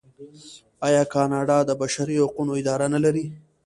آیا کاناډا د بشري حقونو اداره نلري؟